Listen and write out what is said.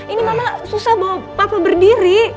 ini mama susah bawa papa berdiri